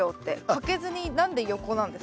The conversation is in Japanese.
かけずに何で横なんですか？